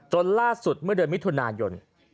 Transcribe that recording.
ล่าสุดเมื่อเดือนมิถุนายน